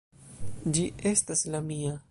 Ĝi estas la mia.